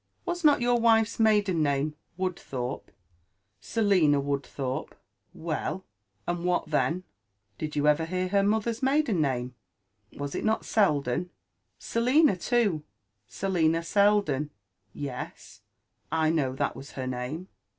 '* Was not your wife's maiden name Woodthorpe ?— Selina Wood Ihorper' ''Well I and what then r '* Did you ever hear her mother's maiden name 1 Was it not Seldon — Selina too, — Selina Seldon?" ,'' Yes, I know that was her name.